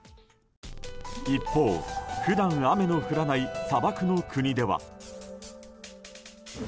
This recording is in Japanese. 一方、普段雨の降らない砂漠の国では。